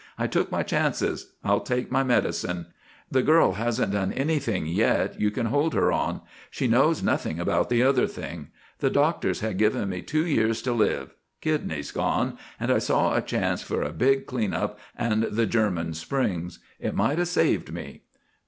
"I took my chances, I'll take my medicine. The girl hasn't done anything yet you can hold her on. She knows nothing about the other thing. The doctors had given me two years to live kidneys gone and I saw a chance for a big clean up and the German springs. It might have saved me."